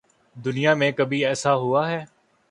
دنیا میں کبھی ایسا ہو اہے؟